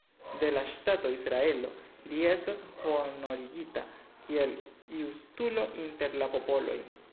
De la ŝtato Israelo li estas honorigita kiel "Justulo inter la popoloj".